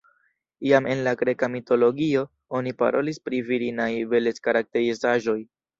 Jam en la Greka mitologio oni parolis pri virinaj belec-karakterizaĵoj.